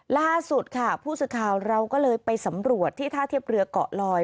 ล่าสุดค่ะผู้สื่อข่าวเราก็เลยไปสำรวจที่ท่าเทียบเรือเกาะลอย